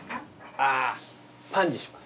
あっパンにします。